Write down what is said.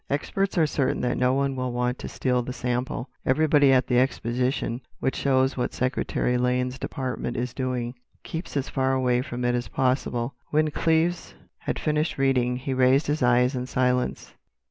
"Experts are certain that no one will want to steal the sample. Everybody at the Exposition, which shows what Secretary Lane's department is doing, keeps as far away from it as possible." When Cleves had finished reading, he raised his eyes in silence.